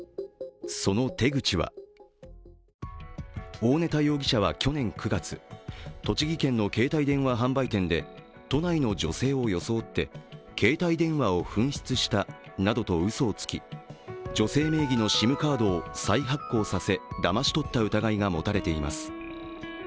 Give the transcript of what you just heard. その手口は大根田容疑者は去年９月栃木県の携帯電話販売店で都内の女性を装って携帯電話を紛失したなどとうそをつき、女性名義のＳＩＭカードを再発行させ、だまし取った疑いが持たれています。